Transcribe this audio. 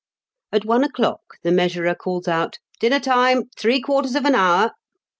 At one o'clock the measurer calls out :" Dinner time !— three quarters of an hour !